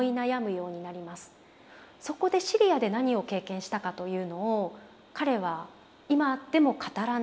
そこでシリアで何を経験したかというのを彼は今でも語らないんですよ。